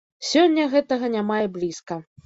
Сёння гэтага няма і блізка.